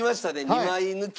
２枚抜き。